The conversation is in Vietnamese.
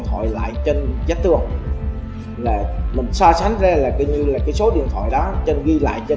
thoại lại trên giác tường là mình so sánh ra là cái như là cái số điện thoại đó chân ghi lại trên